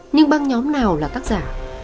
nhưng băng nhóm nào là tác giả